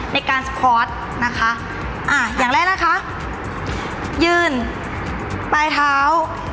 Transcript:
ในการสคอร์สนะคะอ่าอย่างแรกนะคะยืนปลายเท้า